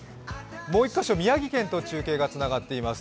もう１カ所、宮城県と中継がつながっています。